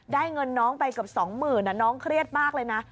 ได้เงินน้องไปเกือบ๒๐๐๐น้องเครียดมากเลยนะ